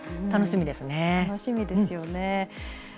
楽しみですよね。